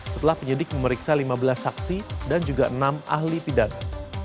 setelah penyidik memeriksa lima belas saksi dan juga enam ahli pidana